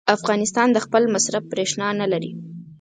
افغانستان د خپل مصرف برېښنا نه لري.